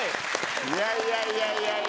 いやいやいやいや！